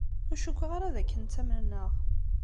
Ur cukkeɣ ara d akken ttamnen-aɣ.